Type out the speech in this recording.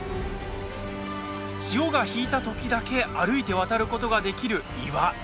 潮が引いたときだけ歩いて渡ることができる岩。